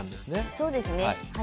そうですね。